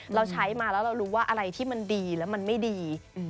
เราใช้มาแล้วเรารู้ว่าอะไรที่มันดีแล้วมันไม่ดี